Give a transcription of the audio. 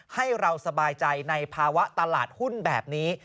ให้เราสบายใจในภาวะตลาดหุ้นแบบนี้